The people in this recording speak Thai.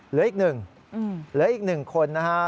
เหลืออีก๑คนนะครับ